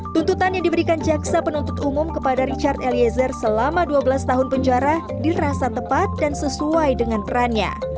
tuntutan yang diberikan jaksa penuntut umum kepada richard eliezer selama dua belas tahun penjara dirasa tepat dan sesuai dengan perannya